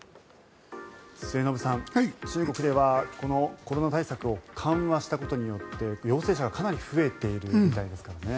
末延さん、中国ではコロナ対策を緩和したことによって陽性者が、かなり増えているみたいですからね。